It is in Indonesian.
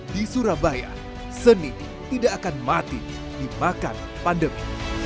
di surabaya seni tidak akan mati dimakan pandemi